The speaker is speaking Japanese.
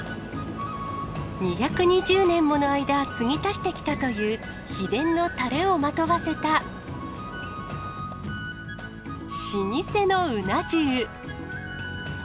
２２０年もの間、継ぎ足してきたという秘伝のタレをまとわせた老舗のうな重。